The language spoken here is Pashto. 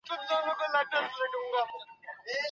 سياست د ټولنيزو اړتياوو په پام کي نيولو سره کېږي.